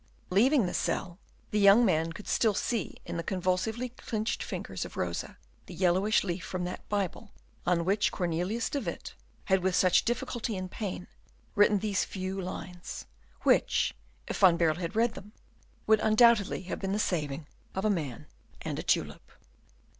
Leaving the cell, the young man could still see in the convulsively clinched fingers of Rosa the yellowish leaf from that Bible on which Cornelius de Witt had with such difficulty and pain written these few lines, which, if Van Baerle had read them, would undoubtedly have been the saving of a man and a tulip.